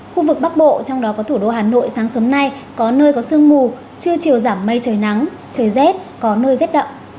khu vực bắc bộ trong đó có thủ đô hà nội sáng sớm nay có nơi có sương mù trưa chiều giảm mây trời nắng trời rét có nơi rét đậm